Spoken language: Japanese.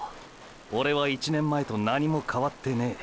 オレは１年前と何も変わってねぇ。